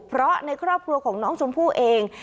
เพราะในครอบครัวของน้องชมพู่เอง